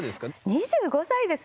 ２５歳ですよ？